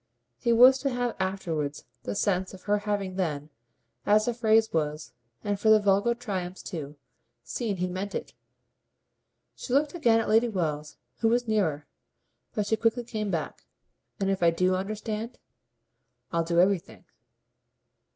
He was to have afterwards the sense of her having then, as the phrase was and for vulgar triumphs too seen he meant it. She looked again at Lady Wells, who was nearer, but she quickly came back. "And if I do understand?" "I'll do everything."